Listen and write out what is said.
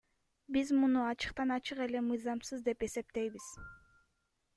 Биз муну ачыктан ачык эле мыйзамсыз деп эсептейбиз.